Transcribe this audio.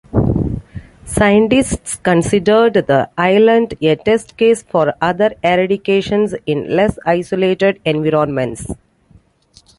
Scientists considered the island a test case for other eradications in less isolated environments.